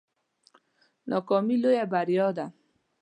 ناکامي لویه بریا ده